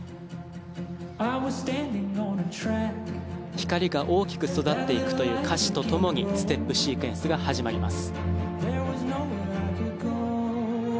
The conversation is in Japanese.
光が大きく育っていくという歌詞とともにステップシークエンスが始まります。